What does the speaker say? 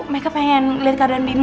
meka pengen lihat keadaan bimo